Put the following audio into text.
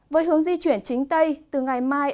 với hướng di chuyển chính tây từ ngày mai